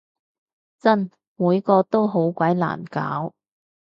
真！每個都好鬼難搞